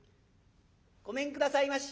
「ごめんくださいまし。